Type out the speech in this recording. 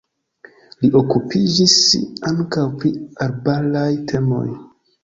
Li okupiĝis ankaŭ pri arbaraj temoj.